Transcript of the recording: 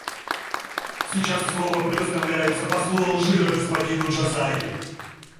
Сейчас слово предоставляется послу Алжира господину Джазайри.